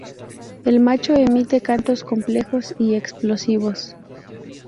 El macho emite cantos complejos y explosivos.